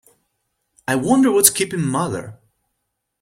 I wonder what's keeping mother?